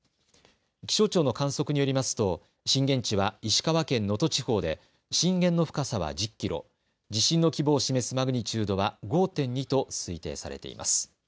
気象庁の観測によりますと震源地は石川県能登地方で震源の深さは１０キロ、地震の規模を示すマグニチュードは５．２と推定されています。